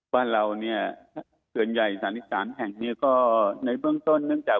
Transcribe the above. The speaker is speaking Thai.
มาราวเนี่ยเขื่อนใหญ่๒๓แผ่งก็ในเบื้องต้นเนื่องจาก